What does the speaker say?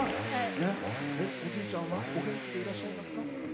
おじいちゃんはお元気でいらっしゃいますか？